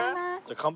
乾杯？